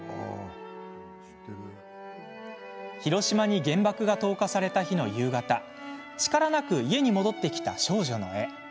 広島に原爆が投下された日の夕方力なく家に戻ってきた少女の絵。